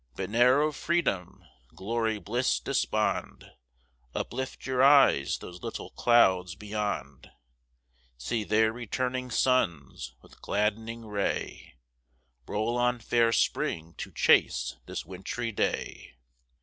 But ne'er of freedom, glory, bliss, despond: Uplift your eyes those little clouds beyond; See there returning suns, with gladdening ray, Roll on fair spring to chase this wint'ry day.